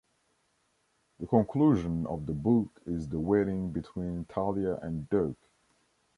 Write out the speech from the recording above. The conclusion of the book is the wedding between Talia and Dirk.